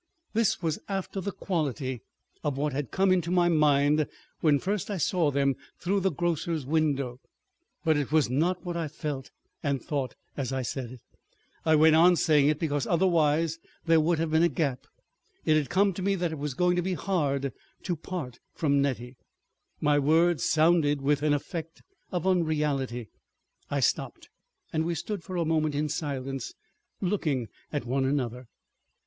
This was after the quality of what had come into my mind when first I saw them through the grocer's window, but it was not what I felt and thought as I said it. I went on saying it because otherwise there would have been a gap. It had come to me that it was going to be hard to part from Nettie. My words sounded with an effect of unreality. I stopped, and we stood for a moment in silence looking at one another.